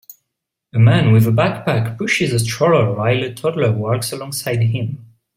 A man with a backpack pushes a stroller while a toddler walks along side him.